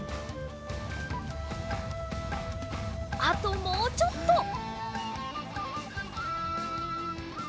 あともうちょっと。